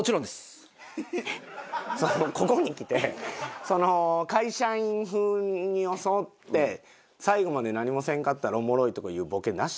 ここにきてその会社員風に装って最後まで何もせんかったらおもろいとかいうボケなしな。